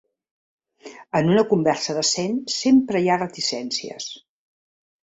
En una conversa decent sempre hi ha reticències.